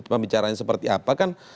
pembicaranya seperti apa kan